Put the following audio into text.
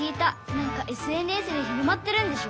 なんかＳＮＳで広まってるんでしょ？